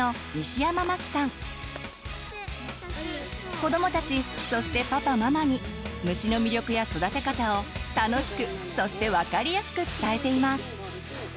子どもたちそしてパパママに虫の魅力や育て方を楽しくそして分かりやすく伝えています。